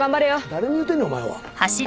誰に言うてんねんお前は。